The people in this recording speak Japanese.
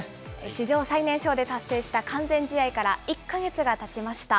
史上最年少で達成した完全試合から１か月がたちました。